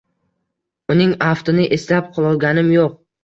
Uning aftini eslab qololganim yo`q